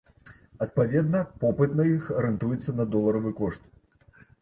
Адпаведна, попыт на іх арыентуецца на доларавы кошт.